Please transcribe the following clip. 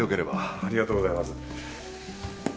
ありがとうございます。